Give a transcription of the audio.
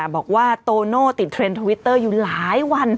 บอกว่าโตโน่ติดเทรนด์ทวิตเตอร์อยู่หลายวัน